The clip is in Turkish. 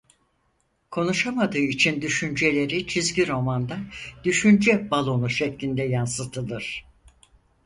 Konuşamadığı için düşünceleri çizgi romanda "düşünce balonu" şeklinde yansıtılır.